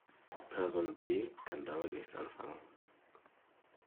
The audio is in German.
Person B kann damit nichts anfangen.